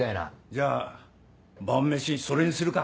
じゃあ晩飯それにするか。